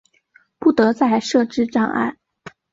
不得再设置障碍